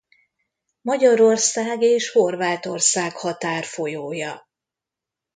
Magyarország és Horvátország határfolyója.